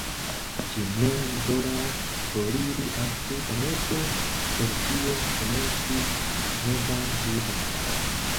Ŝi men volas foriri al Sud-Ameriko por tie komenci novan vivon.